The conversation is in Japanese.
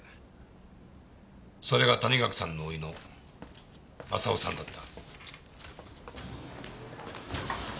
それが谷垣さんの甥の正雄さんだった。